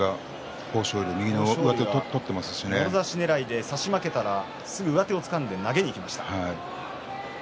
豊昇龍はもろ差しねらいで差し負けたらすぐに上手をつかんで投げました。